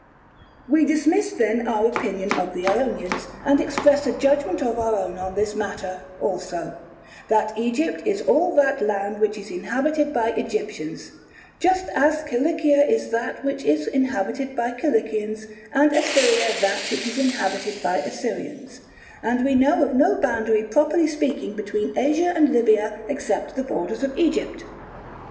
We dismiss then our opinion of the Ionians, and express a judgment of our own on this matter also, that Egypt is all that land which is inhabited by Egyptians, just as Kilikia is that which is inhabited by Kilikians and Assyria that which is inhabited by Assyrians, and we know of no boundary properly speaking between Asia and Libya except the borders of Egypt.